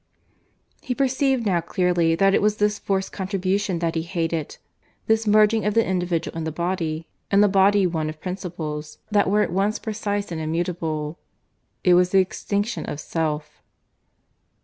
He perceived now clearly that it was this forced contribution that he hated this merging of the individual in the body, and the body one of principles that were at once precise and immutable. It was the extinction of Self.